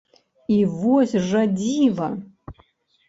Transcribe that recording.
І вось жа дзіва!